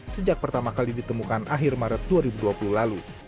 sejak pertama kali ditemukan akhir maret dua ribu dua puluh lalu